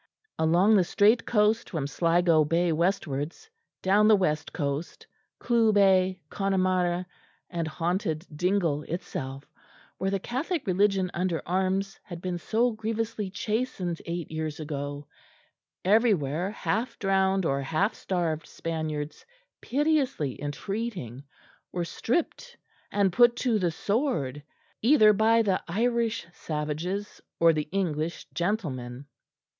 Along the straight coast from Sligo Bay westwards, down the west coast, Clew Bay, Connemara, and haunted Dingle itself, where the Catholic religion under arms had been so grievously chastened eight years ago everywhere half drowned or half starved Spaniards, piteously entreating, were stripped and put to the sword either by the Irish savages or the English gentlemen.